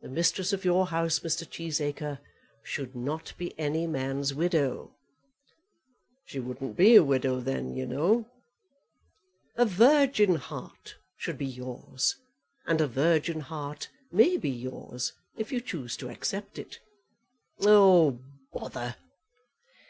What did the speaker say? The mistress of your house, Mr. Cheesacre, should not be any man's widow." "She wouldn't be a widow then, you know." "A virgin heart should be yours; and a virgin heart may be yours, if you choose to accept it." "Oh, bother!"